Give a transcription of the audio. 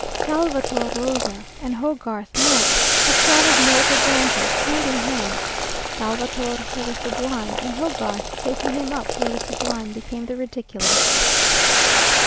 Salvator Rosa and Hogarth might have travelled here to advantage, hand in hand; Salvator for the sublime, and Hogarth taking him up where the sublime became the ridiculous.